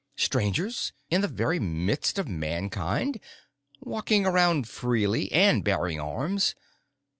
Strangers in the very midst of Mankind! Walking around freely and bearing arms!